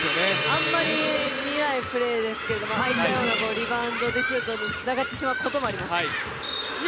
あんまり見ないプレーですけれども、ああいったようなリバウンドでシュートにつながることもあります。